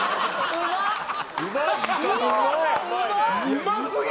うま過ぎ！